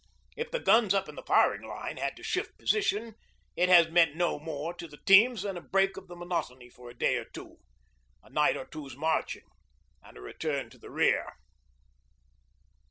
If the guns up in the firing line had to shift position it has meant no more to the teams than a break of the monotony for a day or two, a night or two's marching, and a return to the rear.